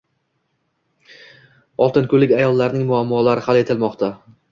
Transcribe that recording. Oltinko‘llik ayollarning muammolari hal etilmoqda